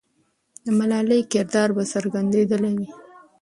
د ملالۍ کردار به څرګندېدلی وو.